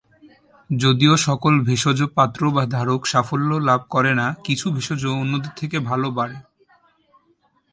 যদিও সকল ভেষজ পাত্র বা ধারক সাফল্য লাভ করেনা, কিছু ভেষজ অন্যদের থেকে ভালো বাড়ে।